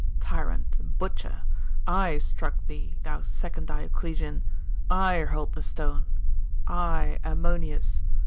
Tyrant and butcher! I struck thee, thou second Dioclesian I hurled the stone I, Ammonius.